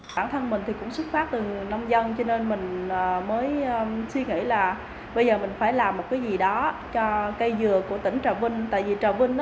bản thân mình cũng xuất phát từ nông dân cho nên mình mới suy nghĩ là bây giờ mình phải làm một cái gì đó cho cây dừa của tỉnh trà vinh